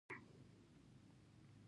لمسی د کور غږ وي.